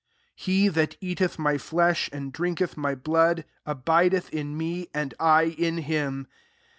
5Q " He that eateth my flesh, and drinketh my blood, abideth in me, and I in him.